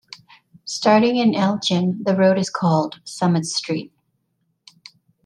Starting in Elgin, the road is called Summit Street.